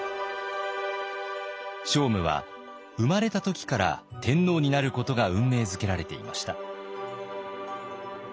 聖武は生まれた時から天皇になることが運命づけられていました。